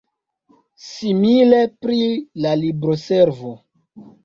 Simile pri la libroservo.